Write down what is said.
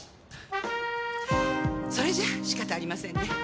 それじゃあ仕方ありませんね。